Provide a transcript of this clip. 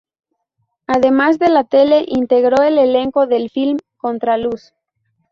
Además de la tele, integró el elenco del film "Contraluz".